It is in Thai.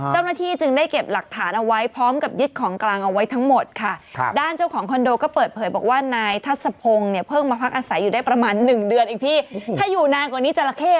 หยุดเดือนอีกทีถ้าอยู่นานกว่านี้จราเข้ตัวใหญ่ขึ้นอย่างนี้